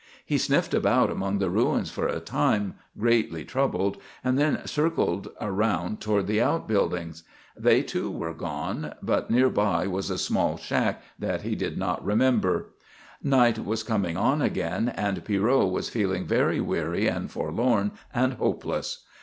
He sniffed about among the ruins for a time, greatly troubled, and then circled around toward the outbuildings. They, too, were gone, but nearby was a little shack that he did not remember. Night was coming on again, and Pierrot was feeling very weary and forlorn and hopeless.